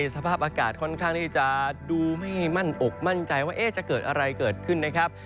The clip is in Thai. สภาพอากาศค่อนข้างที่จะดูไม่มั่นอกมั่นใจว่าจะเกิดอะไรเกิดขึ้นนะครับ